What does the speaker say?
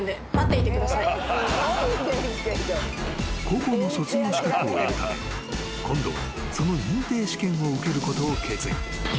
［高校の卒業資格を得るため今度はその認定試験を受けることを決意］